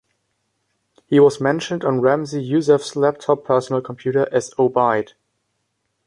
He was mentioned on Ramzi Yousef's laptop personal computer as Obaid.